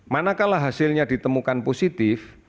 manakala hasilnya ditemukan positif